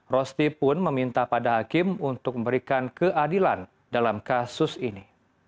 rosti pun meminta pada hakim untuk memberikan keadilan dalam kasus ini